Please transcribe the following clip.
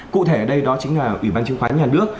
cụ thể ở đây đó chính là ủy ban chứng khoán nhà nước